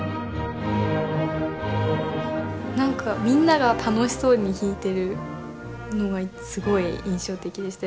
何かみんなが楽しそうに弾いてるのがすごい印象的でした。